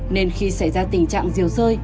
nên khi xảy ra tình trạng diều rơi